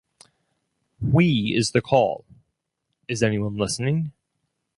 "we" is the call, is anyone listening?